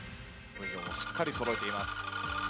しっかり揃えています。